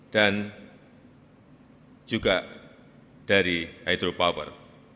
dan juga dari hydropower